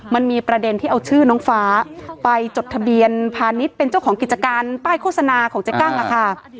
มันมีประเด็นที่เอาชื่อน้องฟ้าไปจดทะเบียนพาณิชย์เป็นเจ้าของกิจการป้ายโฆษณาของเจ๊กั้งค่ะ